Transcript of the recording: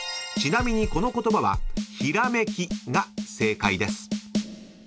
［ちなみにこの言葉は「ひらめき」が正解です］